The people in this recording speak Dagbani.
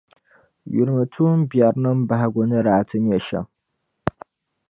Yulimi tuumbiɛrinima bahigu ni daa ti nyɛ shɛm.